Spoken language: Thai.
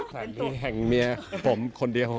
สามีแห่งเมียผมคนเดียว